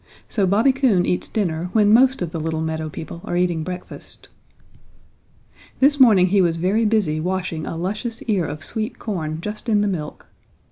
So Bobby Coon eats dinner when most of the little meadow people are eating breakfast. This morning he was very busy washing a luscious ear of sweet corn just in the milk.